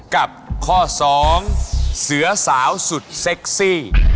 กับครอบครั้งสองเสือสาวสุดเซ็คซี่